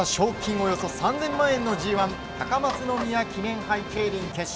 およそ３０００万円の競輪高松宮記念杯競輪決勝。